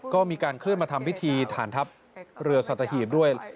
ก็มีการเคลื่อนมาทำพิธีฐานทัพเรือสัตหีบด้วย